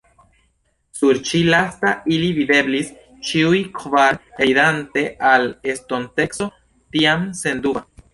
Sur ĉi lasta ili videblis ĉiuj kvar, ridante al estonteco tiam senduba.